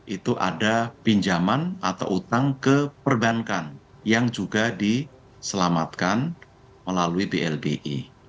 itu ada pinjaman atau utang ke perbankan yang juga diselamatkan melalui blbi